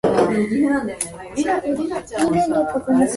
The essay was based in part on his experience in developing Fetchmail.